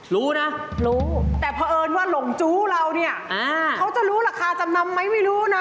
รู้นะรู้แต่เพราะเอิญว่าหลงจู้เราเนี่ยเขาจะรู้ราคาจำนำไหมไม่รู้นะ